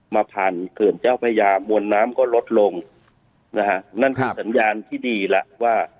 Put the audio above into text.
ผ่านเขื่อนเจ้าพระยามวลน้ำก็ลดลงนะฮะนั่นคือสัญญาณที่ดีแล้วว่า